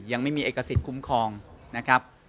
ยังไม่มีเอกสิทธิ์คุ้มครองนะครับ